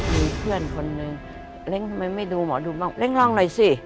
มีเพื่อนคนหนึ่งเล้งทำไมไม่ดูหมอดูบ้างเร่งลองหน่อยสิ